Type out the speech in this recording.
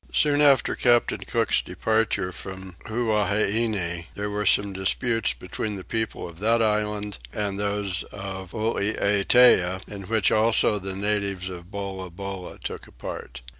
Soon after Captain Cook's departure from Huaheine there were some disputes between the people of that island and those of Ulietea in which also the natives of Bolabola took a part.